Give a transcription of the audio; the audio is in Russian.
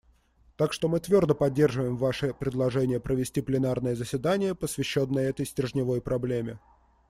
Так что мы твердо поддерживаем ваше предложение провести пленарное заседание, посвященное этой стержневой проблеме.